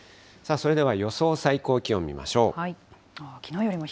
さあそれでは予想最高気温見ましょう。